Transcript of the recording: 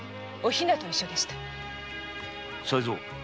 才三。